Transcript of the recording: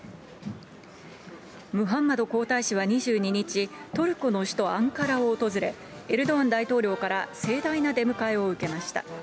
ムハンマド皇太子は２２日、トルコの首都アンカラを訪れ、エルドアン大統領から、盛大な出迎えを受けました。